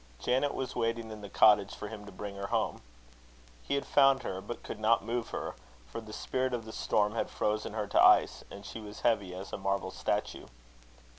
Janet was waiting in the cottage for him to bring her home. He had found her, but could not move her; for the spirit of the storm had frozen her to ice, and she was heavy as a marble statue.